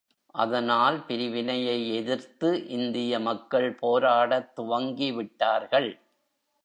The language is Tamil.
அதனால், பிரிவினையை எதிர்த்து இந்திய மக்கள் போராடத் துவங்கிவிட்டார்கள்.